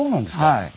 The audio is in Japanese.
はい。